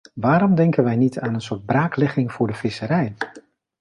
Waarom denken wij niet aan een soort braaklegging voor de visserij?